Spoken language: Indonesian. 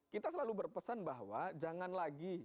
kita selalu berpesan bahwa jangan lagi